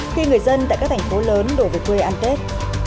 khi người dân tại các thành phố lớn đổ về quê ăn tết